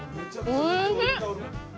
おいしい！